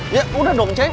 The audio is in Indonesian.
ya udah dong ceng